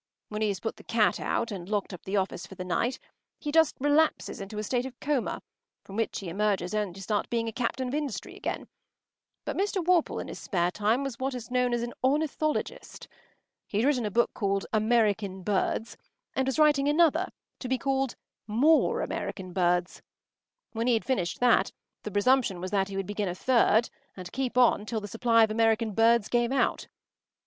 When he has put the cat out and locked up the office for the night, he just relapses into a state of coma from which he emerges only to start being a captain of industry again. But Mr. Worple in his spare time was what is known as an ornithologist. He had written a book called American Birds, and was writing another, to be called More American Birds. When he had finished that, the presumption was that he would begin a third, and keep on till the supply of American birds gave out.